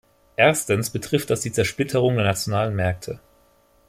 Erstens betrifft das die Zersplitterung der nationalen Märkte.